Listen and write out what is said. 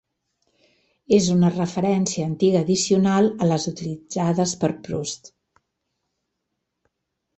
És una referència antiga addicional a les utilitzades per Proust: